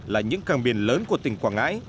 là những càng biển lớn của tỉnh quảng ngãi